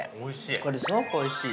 これ、すごくおいしい。